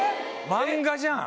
漫画じゃん。